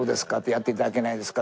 やって頂けないですか？